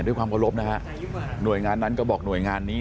ด้วยความเคารพนะฮะหน่วยงานนั้นก็บอกหน่วยงานนี้